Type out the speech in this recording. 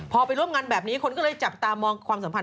พอไปร่วมงานแบบนี้คนก็เลยจับตามองความสัมพันธ